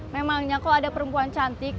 memangnya kok ada perempuan cantik